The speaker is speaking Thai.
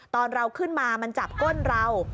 ตอนเราขึ้นมามันจับก้นเรา